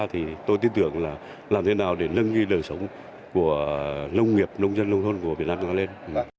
thì tôi tin tưởng là làm thế nào để lưng nghi đời sống của nông nghiệp nông dân nông thôn của việt nam nó lên